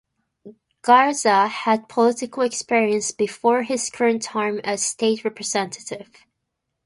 Garza had political experience before his current term as State Representative.